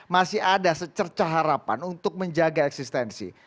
masih ada secerca harapan untuk menjaga eksistensi